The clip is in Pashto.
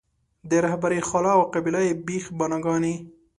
د رهبرۍ خلا او قبیله یي بېخ بناګانې.